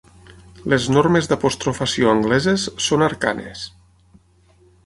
Les normes d'apostrofació angleses són arcanes.